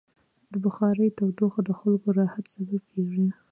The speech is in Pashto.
د بخارۍ تودوخه د خلکو د راحت سبب کېږي.